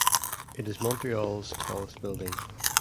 It is Montreal's tallest building.